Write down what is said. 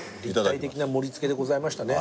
立体的な盛りつけでございましたね